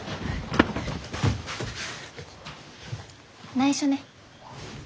ないしょね。